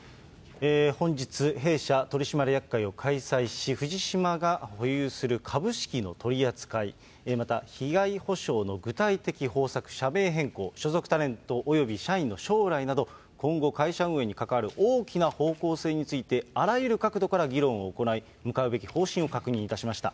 本日、弊社取締役会を開催し、藤島が保有する株式の取り扱い、また被害補償の具体的方策、社名変更、所属タレントおよび社員の将来など、今後会社運営に関わる大きな方向性についてあらゆる角度から議論を行い、向かうべき方針を確認いたしました。